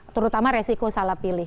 terutama resiko salah pilih